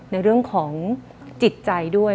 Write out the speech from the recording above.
ในเรื่องของจิตใจด้วย